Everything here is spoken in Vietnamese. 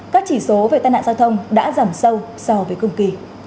các chỉ số về tai nạn giao thông đã giảm sâu so với công ty